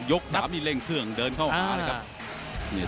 ยกสามนี่เร่งเครื่องเดินเข้าหานะครับ